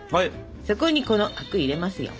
そこにこの灰汁入れますよ。